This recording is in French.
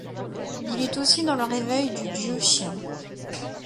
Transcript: Il est aussi dans le réveil du dieu chien.